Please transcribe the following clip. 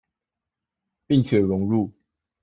並且融入